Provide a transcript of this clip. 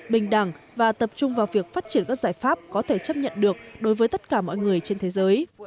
bình đẳng và tập trung vào việc phát triển các giải pháp có thể chấp nhận được đối với tất cả mọi người trên thế giới